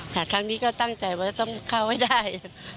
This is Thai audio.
ครั้งนี้ก็ตั้งใจว่าต้องเข้าให้ได้